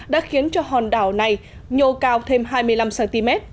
đã khiến cho hòn đảo này nhô cao thêm hai mươi năm cm